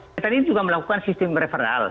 kita ini juga melakukan sistem referral